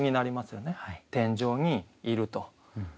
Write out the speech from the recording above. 天井にいると。